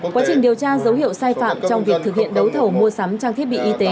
quá trình điều tra dấu hiệu sai phạm trong việc thực hiện đấu thầu mua sắm trang thiết bị y tế